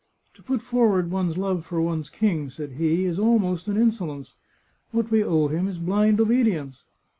" To put forward one's love for one's king," said he, " is almost an insolence. What we owe him is blind obedience."